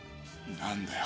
何だよ